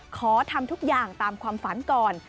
ขอทำทุกอย่างตามความฝันก่อน